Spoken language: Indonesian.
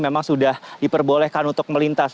memang sudah diperbolehkan untuk melintas